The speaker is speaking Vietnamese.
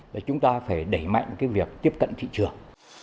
và chúng ta phải đẩy mạnh cái việc tiếp cận thị trường